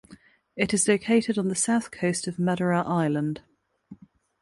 It is located on the south coast of Madura Island.